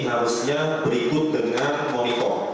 harusnya berikut dengan monitor